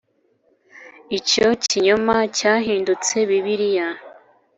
icyo kinyoma cyahindutse bibiliya